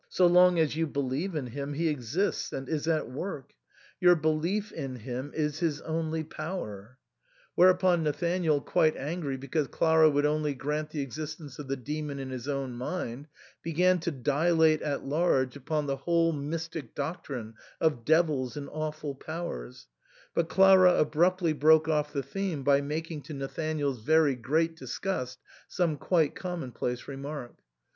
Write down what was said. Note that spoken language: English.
So long as you believe in him he exists and is at work ; your belief in him is his only power." Whereupon Na thanael, quite angry because Clara would only grant the existence of the demon in his own mind, began to dilate at large upon the whole mystic doctrine of devils and awful powers, but Clara abruptly broke off the theme by making, to NathanaeFs very great disgust, some quite commonplace remark.